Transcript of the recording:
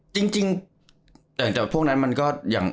จริงแต่พวกนั้นมันก็อย่าง